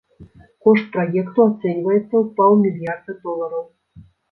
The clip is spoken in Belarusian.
Кошт праекту ацэньваецца ў паўмільярда долараў.